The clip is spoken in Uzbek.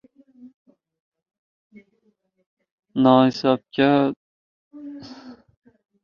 noinsofni fotokameraga o`xshab tasvirlab bergan sen ekansan-da hali